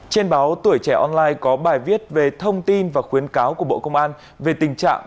trên báo tuổi trẻ online có bài viết về thông tin và khuyến cáo của bộ công an về tình trạng